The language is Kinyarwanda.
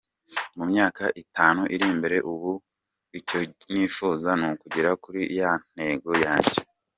Mu myaka itanu iri imbere ubu icyo nifuza ni ukugera kuri ya ntego yanjye.